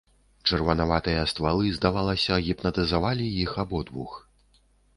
Чырванаватыя ствалы, здавалася, гіпнатызавалі іх абодвух.